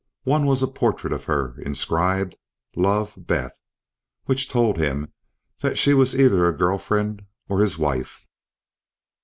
One was a portrait of her, inscribed, "love, Beth", which told him that she was either a girlfriend or his wife.